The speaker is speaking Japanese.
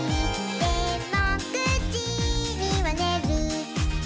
「でも９じにはねる」